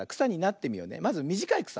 まずみじかいくさ。